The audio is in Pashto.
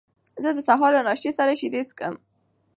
زه د سهار له ناشتې سره شیدې څښم.